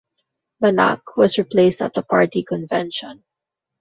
Banac was replaced at the party convention.